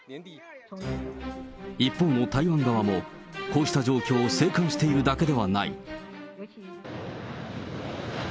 一方の台湾側も、こうした状況を静観しているだけではない。